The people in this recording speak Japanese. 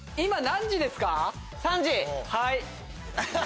はい。